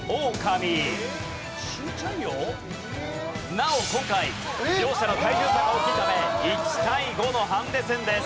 なお今回両者の体重差が大きいため１対５のハンデ戦です。